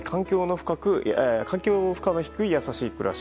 環境負荷の低い優しい暮らし。